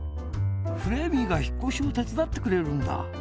フレーミーがひっこしをてつだってくれるんだ。